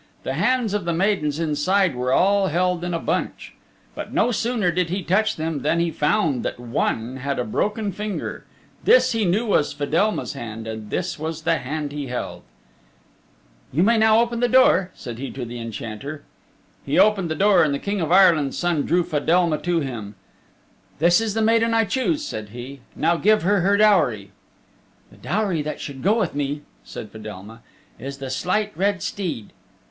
The hands of the maidens inside were all held in a bunch. But no sooner did he touch them than he found that one had a broken finger. This he knew was Fedelma's hand, and this was the hand he held. "You may open the door now," said he to the Enchanter. He opened the door and the King of Ireland's Son drew Fedelma to him. "This is the maiden I choose," said he, "and now give her her dowry." "The dowry that should go with me," said Fedelma, "is the Slight Red Steed."